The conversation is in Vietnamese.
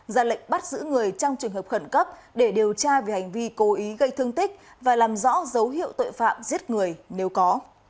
ra lệnh bắt giữ người trong trường hợp khẩn cấp để điều tra về hành vi cố ý gây thương tích và làm rõ dấu hiệu tội phạm giết người nếu có